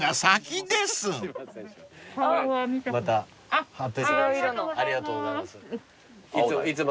ありがとうございます。